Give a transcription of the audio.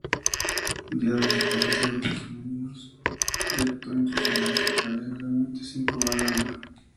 Dio recitales a grupos femeninos y actuó en sociedades teatrales, usualmente sin cobrar nada.